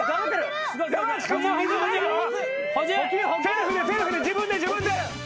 セルフでセルフで自分で自分で。